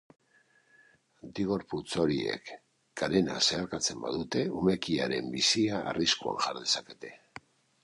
Antigorputz horiek karena zeharkatzen badute umekiaren bizia arriskuan jar dezakete.